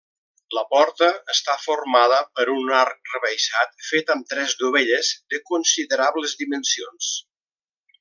La porta està formada per un arc rebaixat fet amb tres dovelles de considerables dimensions.